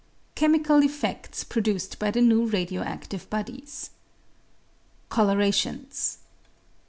Chemical Effects produced by the Neza Radio active Bodies. Colourations.